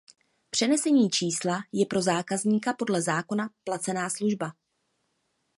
Přenesení čísla je pro zákazníka podle zákona placená služba.